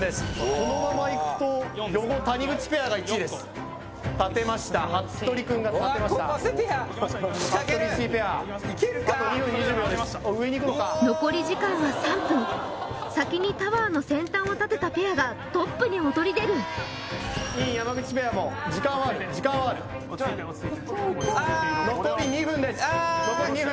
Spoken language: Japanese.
このままいくと余語・谷口ペアが１位です立てました服部君が立てました服部・石井ペアあと２分２０秒です残り時間は３分先にタワーの先端を立てたペアがトップに躍り出る尹・山口ペアも時間はある時間はある落ち着いて落ち着いて残り２分です残り２分・